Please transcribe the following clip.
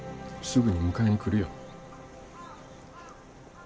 すぐに迎えに来るよ。